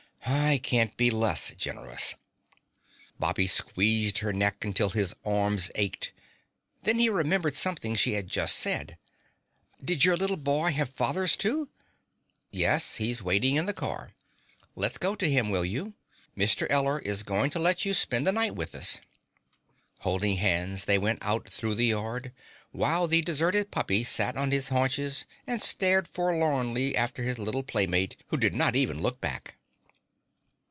"I can't be less generous." Bobby squeezed her neck until his arms ached. Then he remembered something she had just said. "Did your little boy have fathers, too?" "Yes. He's waiting in the car. Let's go to him, will you? Mrs. Eller is going to let you spend the night with us." Holding hands, they went out through the yard, while the deserted puppy sat on his haunches and stared forlornly after his little playmate who did not even look back.